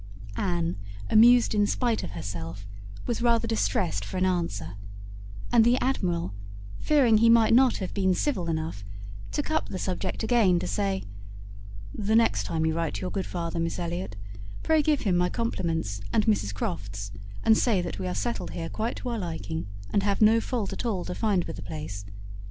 Anne, amused in spite of herself, was rather distressed for an answer, and the Admiral, fearing he might not have been civil enough, took up the subject again, to say— "The next time you write to your good father, Miss Elliot, pray give him my compliments and Mrs Croft's, and say that we are settled here quite to our liking, and have no fault at all to find with the place.